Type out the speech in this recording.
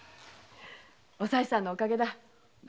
おさいさんのおかげだ。